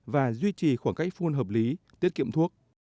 và duy trì khoảng cách phun hợp lý tiết kiệm thuốc